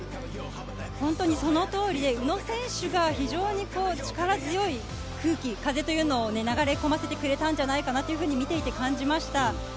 本当にその通りで宇野選手が非常に力強い空気、風を流れ込ませてくれたんじゃないかなと見ていて感じました。